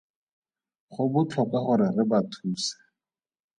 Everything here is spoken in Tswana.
Go botlhokwa gore re ba thuse.